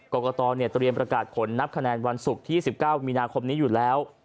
กรกตเตรียมประกาศผลนับคะแนนวันศุกร์ที่๑๙มีนาคมนี้อยู่แล้ว